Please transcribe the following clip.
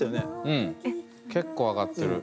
うん結構上がってる。